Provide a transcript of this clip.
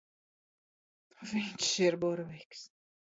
Viņš ir burvīgs.